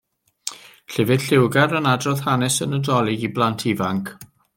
Llyfr lliwgar yn adrodd hanes y Nadolig i blant ifanc.